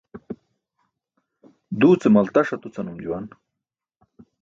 Duu ce maltaṣ atucanum juwan